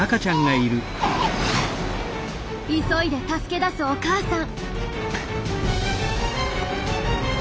急いで助け出すお母さん。